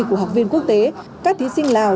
của học viên quốc tế các thí sinh lào